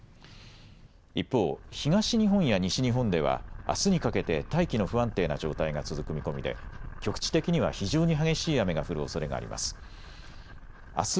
一方、東日本や西日本ではあすにかけて大気の不安定な状態が続く見込みで局地的には非常に激しい雨が降るおそれがあります。